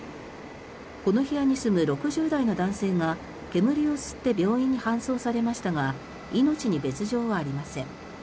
この部屋に住む６０代の男性が煙を吸って病院に搬送されましたが命に別条はありません。